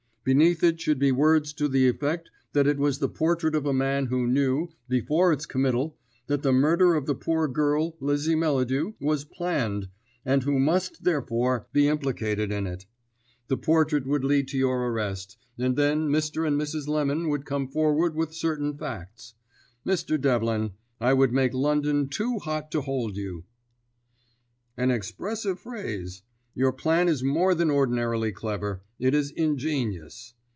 Beneath it should be words to the effect that it was the portrait of a man who knew, before its committal, that the murder of the poor girl Lizzie Melladew was planned, and who must, therefore, be implicated in it. The portrait would lead to your arrest, and then Mr. and Mrs. Lemon would come forward with certain facts. Mr. Devlin, I would make London too hot to hold you." "An expressive phrase. Your plan is more than ordinarily clever; it is ingenious.